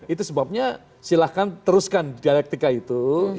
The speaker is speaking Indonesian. itu sebabnya silahkan teruskan dialektika itu